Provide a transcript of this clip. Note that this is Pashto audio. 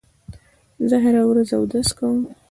زه هره ورځ اودس کوم.